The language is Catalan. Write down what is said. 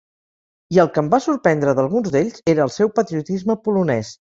I el que em va sorprendre d'alguns d'ells era el seu patriotisme polonès.